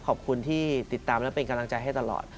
ขอบคุณที่ติดตามและเป็นกำลังใจให้ตลอด